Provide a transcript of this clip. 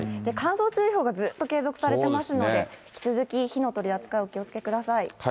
乾燥注意報がずっと継続されてますので、引き続き火の取り扱い、お気をつけください。